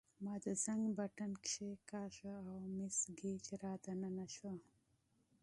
ما د زنګ بټن کښېکاږه او مس ګېج را دننه شوه.